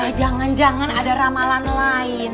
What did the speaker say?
oh jangan jangan ada ramalan lain